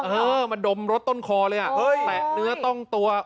เออมันดมรถต้นคอเลยอ่ะแตะเนื้อต้องตัว